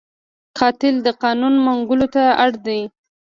قاتل د قانون منګولو ته اړ دی